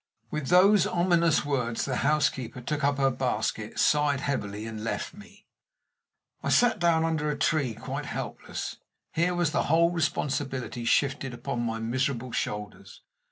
With those ominous words the housekeeper took up her basket, sighed heavily, and left me. I sat down under a tree quite helpless. Here was the whole responsibility shifted upon my miserable shoulders.